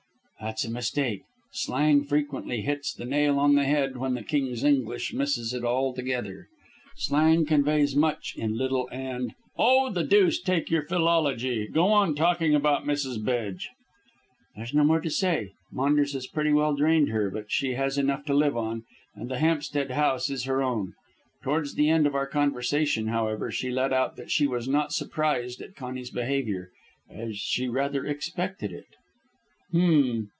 "That's a mistake. Slang frequently hits the nail on the head when the King's English misses it altogether. Slang conveys much in little, and " "Oh, the deuce take your philology. Go on talking about Mrs. Bedge." "There's no more to say. Maunders has pretty well drained her, but she has enough to live on, and the Hampstead house is her own. Towards the end of our conversation, however, she let out that she was not surprised at Conny's behaviour, as she rather expected it." "H'm!